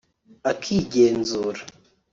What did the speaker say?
akigenzura